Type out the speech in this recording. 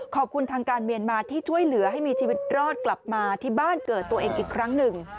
ขอบคุณทางการเมียนมาที่ช่วยเหลือให้มีชีวิตรอดกลับมาที่บ้านเกิดตัวเองอีกครั้งหนึ่ง